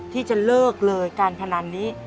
ที่จะเลิกเลยการพนันนี้